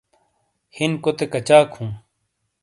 ہِینکوتے کچاک ہوں ؟